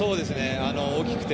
大きくて。